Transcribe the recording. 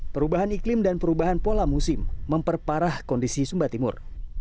perubahan iklim dan perubahan pola musim memperparah kondisi sumba timur